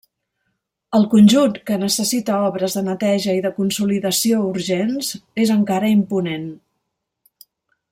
El conjunt, que necessita obres de neteja i de consolidació urgents, és encara imponent.